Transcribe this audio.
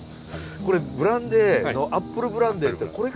これブランデーアップルブランデーってこれからですよね。